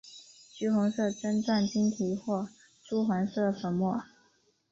橘红色针状晶体或赭黄色粉末。